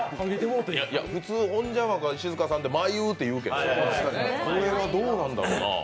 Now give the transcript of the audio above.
普通ホンジャマカ・石塚さんってまいうって言うけどこれはどうなんだろうな。